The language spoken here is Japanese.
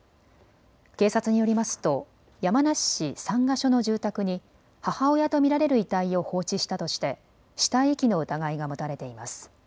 警察によりますと山梨市三ヶ所の住宅に母親と見られる遺体を放置したとして死体遺棄の疑いが持たれています。